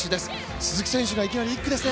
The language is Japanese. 鈴木選手がいきなり１区ですね。